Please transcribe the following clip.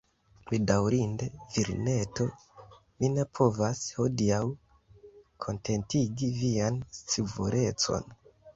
Bedaŭrinde, virineto, mi ne povas, hodiaŭ, kontentigi vian scivolecon.